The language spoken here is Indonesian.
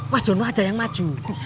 mas jono aja yang maju